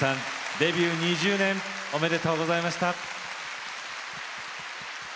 デビュー２０年おめでとうございました。